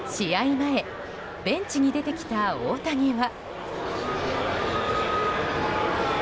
前ベンチに出てきた大谷は。